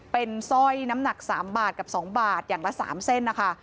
เป็นสร้อยน้ำหนัก๓บาทกับ๒บาทอย่างละ๓เส้นนะคะ